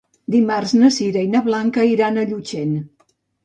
Dimarts na Sira i na Blanca iran a Llutxent.